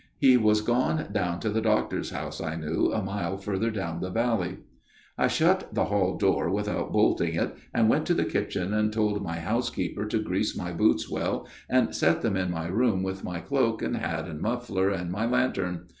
He was gone down to the doctor's house, I knew, a mile further down the valley. " I shut the hall door without bolting it, and went to the kitchen and told my housekeeper to grease my boots well and set them in my room with my cloak and hat and muffler and my lantern.